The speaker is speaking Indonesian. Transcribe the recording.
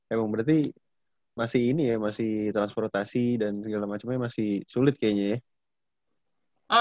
emang berarti masih ini ya masih transportasi dan segala macamnya masih sulit kayaknya ya